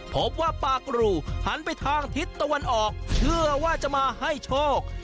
พบว่าปากรูหันไปทางทิศตะวันออกเชื่อว่าจะมาให้โชค